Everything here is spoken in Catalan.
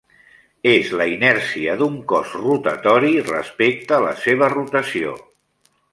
És la inèrcia d'un cos rotatori respecte la seva rotació.